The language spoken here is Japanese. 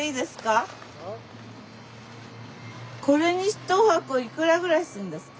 １箱いくらぐらいするんですか？